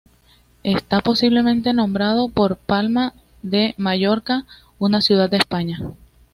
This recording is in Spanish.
Está posiblemente nombrado por Palma de Mallorca, una ciudad de España.